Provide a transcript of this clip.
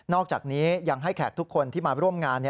อกจากนี้ยังให้แขกทุกคนที่มาร่วมงาน